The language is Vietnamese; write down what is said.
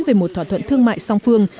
về một thỏa thuận thương mại song phương